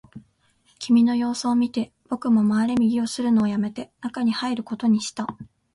君の様子を見て、僕も回れ右をするのをやめて、中に入ることにした